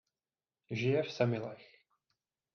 Žije v Semilech.